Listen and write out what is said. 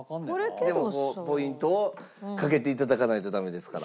でもポイントをかけていただかないとダメですから。